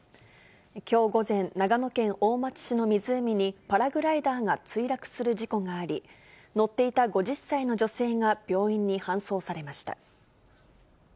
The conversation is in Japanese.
きょう午前、長野県大町市の湖にパラグライダーが墜落する事故があり、乗っていた５０歳の女性が病院に搬送されました。